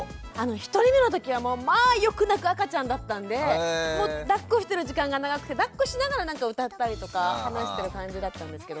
１人目の時はまあよく泣く赤ちゃんだったんでだっこしてる時間が長くてだっこしながら何か歌ったりとか話してる感じだったんですけど。